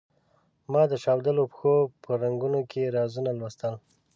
ما د چاودلو پښو په رنګونو کې رازونه لوستلو.